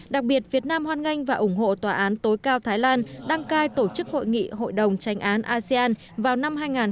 đặc biệt việt nam hoan nghênh và ủng hộ tòa án tối cao thái lan đăng cai tổ chức hội nghị hội đồng tranh án asean vào năm hai nghìn hai mươi